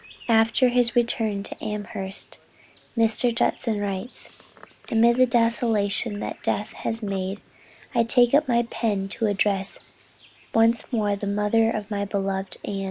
After his return to Amherst, Mr. Judson writes: "Amid the desolation that death has made, I take up my pen to address once more the mother of my beloved Ann.